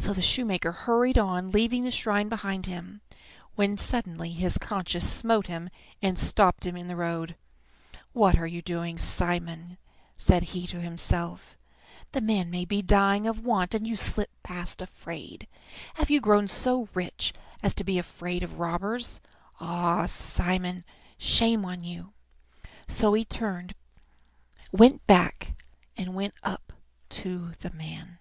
So the shoemaker hurried on, leaving the shrine behind him when suddenly his conscience smote him, and he stopped in the road. "What are you doing, Simon?" said he to himself. "The man may be dying of want, and you slip past afraid. Have you grown so rich as to be afraid of robbers? Ah, Simon, shame on you!" So he turned back and went up to the man.